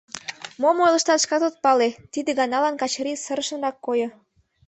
— Мом ойлыштат, шкат от пале, — тиде ганалан Качырий сырышынак койо.